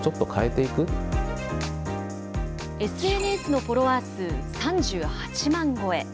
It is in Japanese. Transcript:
ＳＮＳのフォロワー数３８万超え。